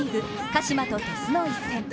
鹿島と鳥栖の一戦。